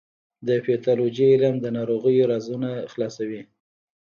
د پیتالوژي علم د ناروغیو رازونه خلاصوي.